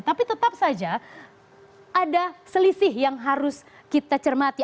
tapi tetap saja ada selisih yang harus kita cermati